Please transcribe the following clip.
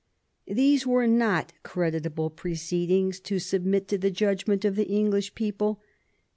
These were not creditable proceedings to submit to the judgment of the English people.